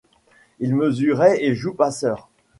Il mesurait et joue passeur.